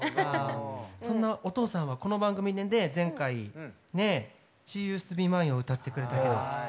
そんなお父さんはこの番組で前回、「ＳＨＥＵＳＥＤＴＯＢＥＭＩＮＥ」を歌ってくれたけど。